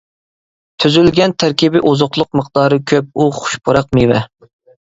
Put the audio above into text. تۈزۈلگەن تەركىبى ئوزۇقلۇق مىقدارى كۆپ، ئۇ خۇش پۇراق مېۋە.